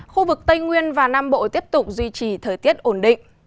khu vực tây nguyên và nam bộ tiếp tục duy trì thời tiết ổn định